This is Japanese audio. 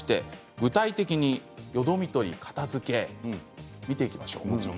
具体的に、よどみという片づけ見ていきましょう。